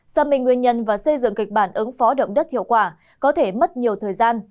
xác minh nguyên nhân và xây dựng kịch bản ứng phó động đất hiệu quả có thể mất nhiều thời gian